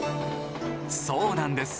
そうなんです。